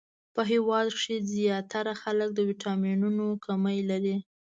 په هیواد کښی ځیاتره خلک د ويټامنونو کمې لری